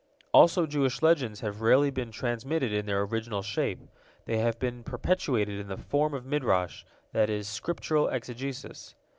Also Jewish legends have rarely been transmitted in their original shape. They have been perpetuated in the form of Midrash, that is, Scriptural exegesis.